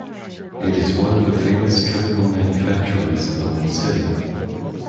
It is one of the famous Chemical manufacturers in the whole city.